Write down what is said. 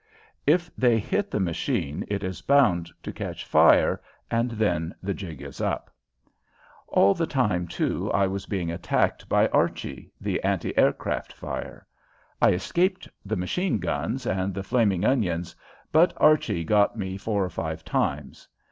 If they hit the machine it is bound to catch fire and then the jig is up. All the time, too, I was being attacked by "Archie" the anti aircraft fire. I escaped the machine guns and the "flaming onions," but "Archie" got me four or five times.